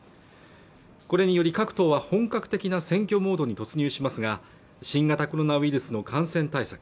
これにより各党は本格的な選挙モードに突入しますが新型コロナウイルスの感染対策